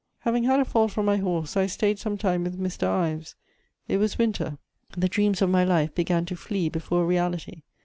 Having had a fall from my horse, I stayed some time with Mr. Ives. It was winter; the dreams of my life began to flee before reality.